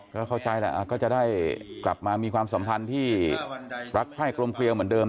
ก็เข้าใจแหละก็จะได้กลับมามีความสัมพันธ์ที่รักไข้กลมเกลียวเหมือนเดิม